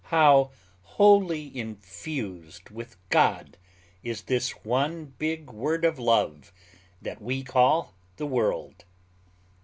How wholly infused with God is this one big word of love that we call the world!